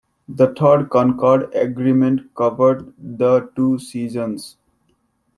The third Concorde Agreement covered the to seasons.